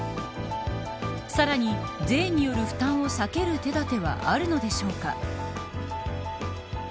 さらに、税による負担を避ける手だてはあるのでしょうか。